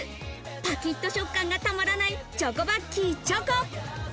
バキッと食感がたまらない、チョコバッキーチョコ。